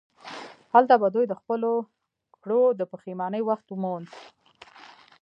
هلته به دوی د خپلو کړو د پښیمانۍ وخت موند.